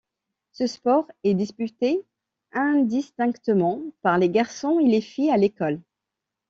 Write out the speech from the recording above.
Ce sport est disputé indistinctement par les garçons et les filles à l'école.